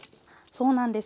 そうなんです。